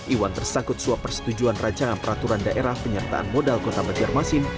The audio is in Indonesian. iwan tersangkut suap persetujuan rancangan peraturan daerah penyertaan modal kota banjarmasin